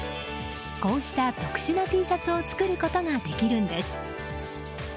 こうした特殊なＴシャツを作ることができるんです。